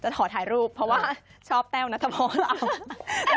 จะถอดถ่ายรูปเพราะว่าชอบแต้วนะท่านพ่อเรา